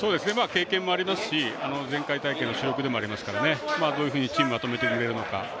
経験もありますし前回大会の主力でもありますからどういうふうにチームをまとめてくれるのか。